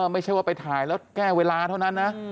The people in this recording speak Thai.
ไม่ใช่ไปถ่ายแล้วแก้เวลาเองเลยนะ